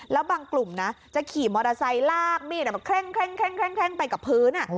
แล้วบางกลุ่มนะจะขี่มอเตอร์ไซค์ลากมีดมาเคร่งไปกับพื้น